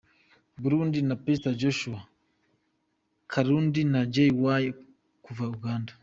Burundi na Pst Josua Karundi na G-Way kuva Uganda.